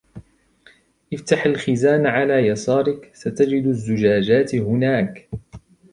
افتح الخزانة على يسارك ، ستجد الزجاجات هناك